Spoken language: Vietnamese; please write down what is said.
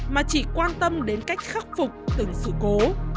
mà chỉ quan tâm đến cách khắc phục từng sự cố